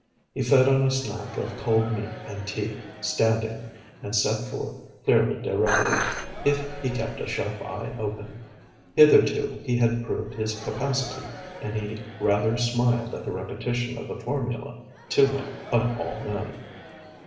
He fed on a snack of cold meat and tea, standing, and set forth, clearly directed, 'if he kept a sharp eye open.' Hitherto he had proved his capacity, and he rather smiled at the repetition of the formula to him, of all men.